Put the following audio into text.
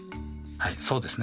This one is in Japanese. はいそうですね。